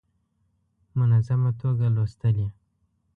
منظمه توګه لوستلې.